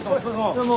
どうも！